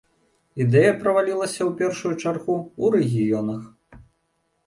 Ідэя правалілася, у першую чаргу, у рэгіёнах.